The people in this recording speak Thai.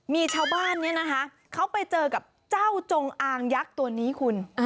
มีชาวบ้านเนี่ยนะคะเขาไปเจอกับเจ้าจงอางยักษ์ตัวนี้คุณ